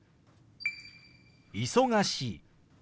「忙しい」。